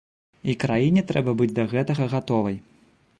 І краіне трэба быць да гэтага гатовай.